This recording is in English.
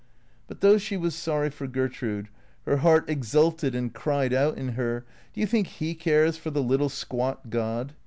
But though she was sorry for Gertrude, her heart exulted and cried out in her, " Do you think He cares for the little squat god?